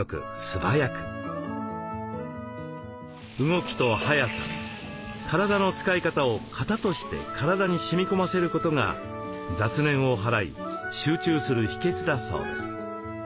動きと早さ体の使い方を型として体にしみ込ませることが雑念を払い集中する秘けつだそうです。